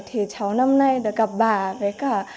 thì cháu năm nay được gặp bà với cả